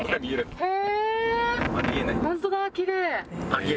へえ。